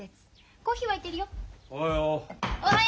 コーヒー沸いてるよ。